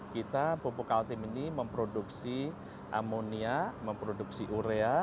kita pupuk altim ini memproduksi amonia memproduksi urea